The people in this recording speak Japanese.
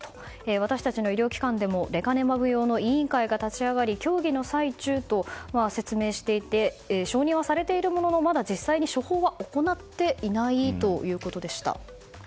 私たちの医療機関でもレカネマブ用の委員会が立ち上がり協議の最中と説明していて承認はされているもののまだ実際に処方は行っていないということでした。